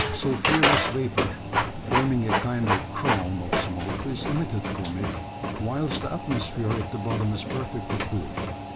Sulphureous vapour, forming a kind of crown of smoke, is emitted from it, whilst the atmosphere at the bottom is perfectly cool.